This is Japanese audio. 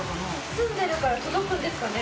澄んでるから届くんですかね？